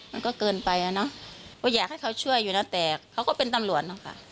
มันก็เกินไปอยากให้เขาช่วยอยู่แต่เขาก็เป็นตำรวจ